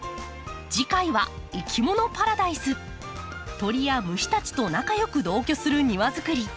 鳥や虫たちと仲よく同居する庭づくり。